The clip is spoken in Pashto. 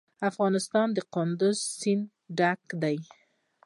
افغانستان له کندز سیند ډک دی.